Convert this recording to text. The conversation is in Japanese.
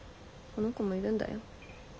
この子もいるんだよ。